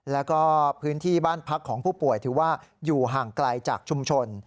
แล้วก็พื้นที่บ้านพักของผู้ป่วยถือว่าอยู่ห่างไกลจากชุมชน